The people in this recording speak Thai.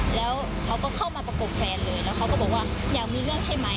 แล้วเขาก็เข้ามาประกบแฟนเลยแล้วเขาก็บอกว่าอยากมีเรื่องใช่ไหม